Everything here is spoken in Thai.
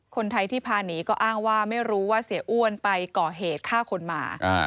คนไทยที่พาหนีก็อ้างว่าไม่รู้ว่าเสียอ้วนไปก่อเหตุฆ่าคนมา